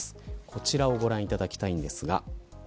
こちらをご覧いただきたいんですが。